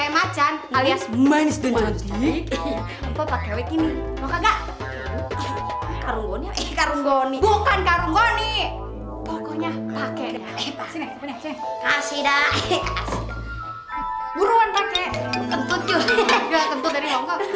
macan alias manis dan cantik pakai wikini bukan karung goni pokoknya pakai kasih dah buruan pakai